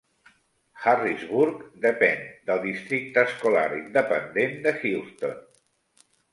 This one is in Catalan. Harrisburg depèn del districte escolar independent de Houston.